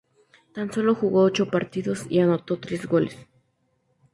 Tan solo jugó ocho partidos y anotó tres goles.